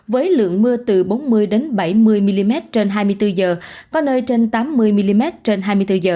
với lượng mưa từ bốn mươi bảy mươi mm trên hai mươi bốn h có nơi trên tám mươi mm trên hai mươi bốn h